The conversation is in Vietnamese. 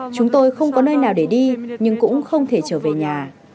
chúng tôi không có nơi nào để đi nhưng cũng không thể trở về nhà